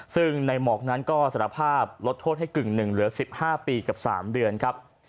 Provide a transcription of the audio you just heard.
ซึ่งในหมอกนั้นก็สารภาพลดโทษให้กึ่งหนึ่งเหลือ๑๕ปีกับ๓เดือนครับ